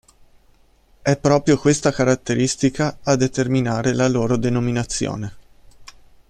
È proprio questa caratteristica a determinare la loro denominazione.